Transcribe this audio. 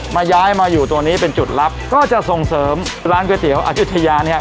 มาย้ายมาอยู่ตัวนี้เป็นจุดลับก็จะส่งเสริมร้านก๋วยเตี๋ยวอายุทยาเนี่ย